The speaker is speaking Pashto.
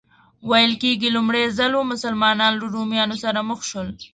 ویل کېږي لومړی ځل و مسلمانان له رومیانو سره مخ شول.